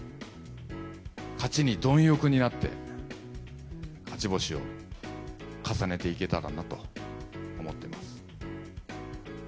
勝ちにどん欲になって、勝ち星を重ねていけたらなと思っています。